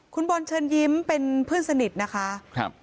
คุณบอลเชิญยิ้มเป็นเพื่อนสนิทนะคะครับ